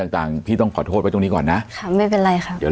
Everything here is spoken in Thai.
ต่างต่างพี่ต้องขอโทษไว้ตรงนี้ก่อนนะค่ะไม่เป็นไรค่ะเดี๋ยว